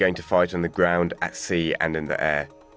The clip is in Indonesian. kita akan berjuang di tanah di laut dan di udara